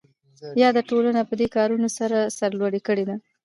یاده ټولنه پدې کارونو سره سرلوړې کړې ده.